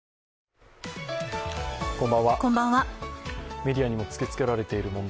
メディアにも突きつけられている問題